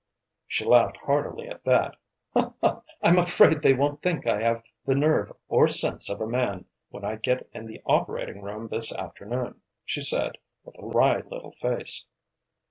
She laughed heartily at that. "Well, I'm afraid they won't think I have the nerve or sense of a man when I get in the operating room this afternoon," she said with a wry little face.